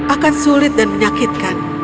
akan sulit dan menyakitkan